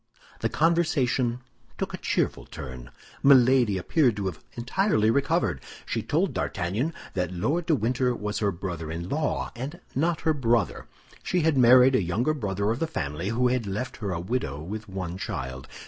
The conversation took a cheerful turn. Milady appeared to have entirely recovered. She told D'Artagnan that Lord de Winter was her brother in law, and not her brother. She had married a younger brother of the family, who had left her a widow with one child.